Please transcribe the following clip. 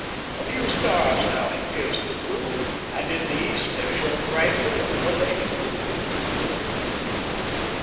A few stars now had pierced the blue, and in the east there shone brightly a prolate moon.